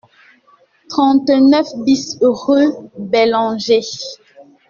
trente-neuf BIS rue Bellanger